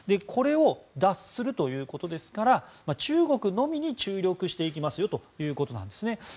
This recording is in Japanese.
これを脱するということですから中国のみに注力しますよということです。